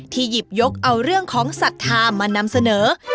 หยิบยกเอาเรื่องของศรัทธามานำเสนอ